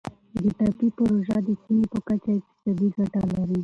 د ټاپي پروژه د سیمې په کچه اقتصادي ګټه لري.